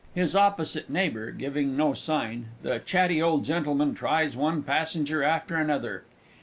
(HIS OPPOSITE NEIGHBOUR giving no sign, the C. O. G. tries one Passenger after another.)